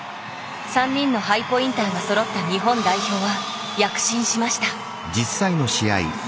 ３人のハイポインターがそろった日本代表は躍進しました。